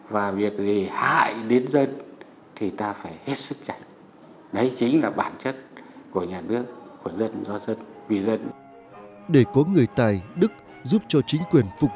và việc gì hại đến dân thì ta phải hết sức chạy